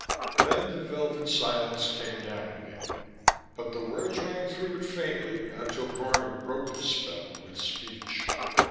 Then the velvet silence came down again, but the words rang through it faintly until Gornom broke the spell with speech.